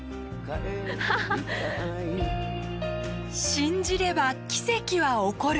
信じれば奇跡は起こる。